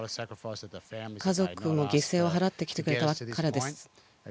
家族の犠牲を払ってきてくれたからです。